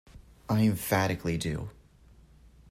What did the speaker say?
I emphatically do.